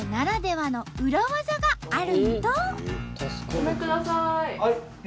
ごめんください。